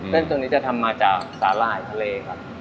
เส้นตัวนี้จะทำมาจากสาหร่ายทะเลครับ